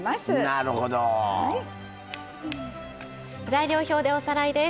材料表でおさらいです。